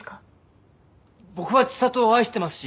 僕は知里を愛してますし。